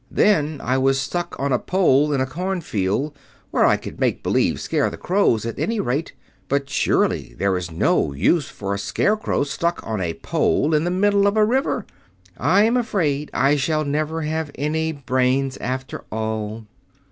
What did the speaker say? "Then, I was stuck on a pole in a cornfield, where I could make believe scare the crows, at any rate. But surely there is no use for a Scarecrow stuck on a pole in the middle of a river. I am afraid I shall never have any brains, after all!"